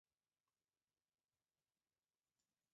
腾越紫菀为菊科紫菀属下的一个种。